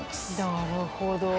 なるほど。